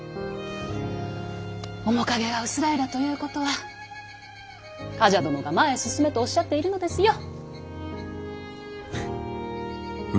面影が薄らいだということは冠者殿が前へ進めとおっしゃっているのですよ。